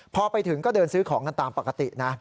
พอไปถึงก็เดินซื้อของกันตามปกตินะ